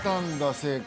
正解。